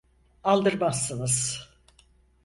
Aldırmazsınız.